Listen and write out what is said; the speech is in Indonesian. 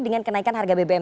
dengan kenaikan harga bbm